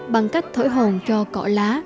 bằng cách thổi hồng cho cỏ lá